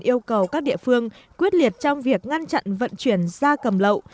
yêu cầu các địa phương quyết liệt trong việc ngăn chặn vận chuyển da cầm lậu